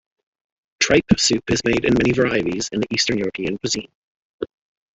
Tripe soup is made in many varieties in the Eastern European cuisine.